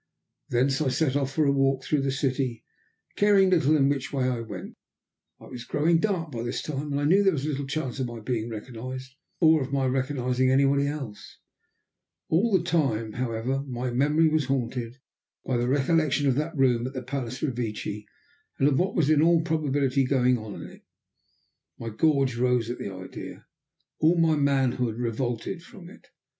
Thence I set off for a walk through the city, caring little in which way I went. It was growing dark by this time, and I knew there was little chance of my being recognized, or of my recognizing any one else. All the time, however, my memory was haunted by the recollection of that room at the Palace Revecce, and of what was in all probability going on in it. My gorge rose at the idea all my manhood revolted from it.